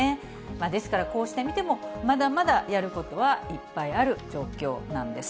ですから、こうして見てもまだまだやることはいっぱいある状況なんです。